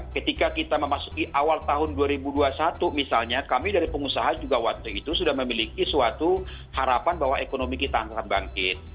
ketika kita memasuki awal tahun dua ribu dua puluh satu misalnya kami dari pengusaha juga waktu itu sudah memiliki suatu harapan bahwa ekonomi kita akan bangkit